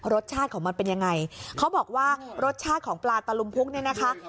รสชาติของมันเป็นยังไงเขาบอกว่ารสชาติของปลาตะลุมพุกเนี่ยนะคะ